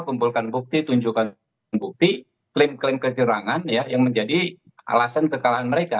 kumpulkan bukti tunjukkan bukti klaim klaim kejerangan yang menjadi alasan kekalahan mereka